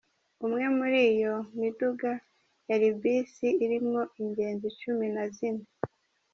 Umwe muri iyo miduga yari bisi irimwo ingenzi cumi na zine.